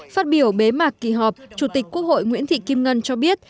phát biểu bế mạc kỳ họp chủ tịch quốc hội nguyễn thị kim ngân cho biết